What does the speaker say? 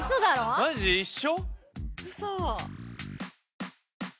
マジ？一緒？